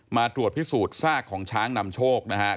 มาตรวจพิสูจน์ซากของช้างนำโชคนะครับ